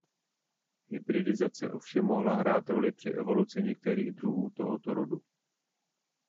Hybridizace ovšem mohla hrát roli při evoluci některých druhů tohoto rodu.